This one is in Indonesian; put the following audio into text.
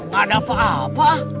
gak ada apa apa